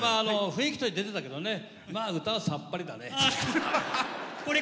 雰囲気は出てたけど歌はさっぱりだね！